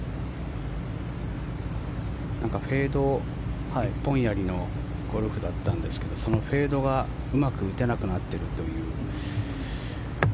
フェード一本やりのゴルフだったんですけどそのフェードがうまく打てなくなっているという。